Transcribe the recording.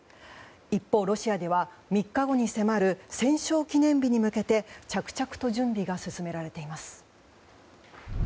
一方、ロシアでは３日後に迫る戦勝記念日に向けて着々と準備が進められています。